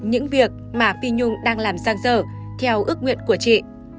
những việc mà phi nhung đang làm sang giờ theo ước nguyện của chị